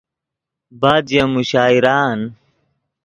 بعد ژے مشاعرآن